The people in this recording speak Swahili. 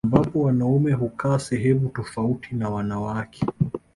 Ambapo wanaume hukaa sehemu tofauti na wanawake